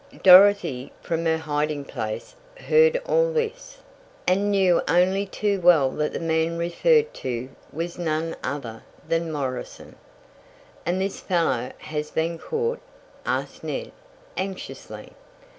Dorothy, from her hiding place, heard all this, and knew only too well that the man referred to was none other than Morrison. "And this fellow has been caught?" asked Ned, anxiously.